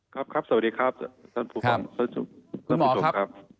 ครับครับสวัสดีครับท่านผู้ชมครับ